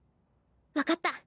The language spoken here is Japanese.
分かった。